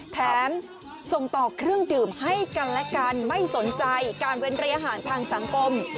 แถมส่งต่อเครื่องดื่มให้กันและกันไม่สนใจการเว้นระยะห่างทางสังคม